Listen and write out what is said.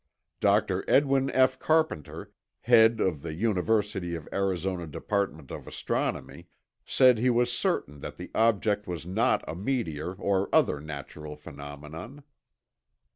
Dr. Edwin F. Carpenter, head of the University of Arizona department of astronomy, said he was certain that the object was not a meteor or other natural phenomenon.